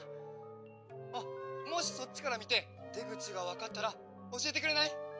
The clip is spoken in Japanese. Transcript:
あっもしそっちからみてでぐちがわかったらおしえてくれない？」。